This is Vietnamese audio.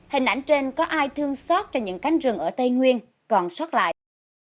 hình ảnh trên có ai thương xót cho những cánh rừng ở tây nguyên còn sót lại